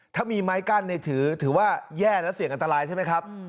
ถ้ามีไม้กั้นถือว่าแย่และเสี่ยงอันตรายใช่ไหมครับ